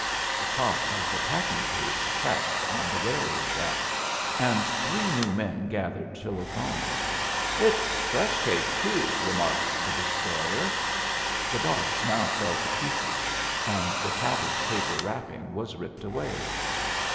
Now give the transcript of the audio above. The top of the packing case crashed on the railroad track, and three new men gathered to look on. "It's fresh cake too," remarked the destroyer. The box now fell to pieces, and the tattered paper wrapping was ripped away.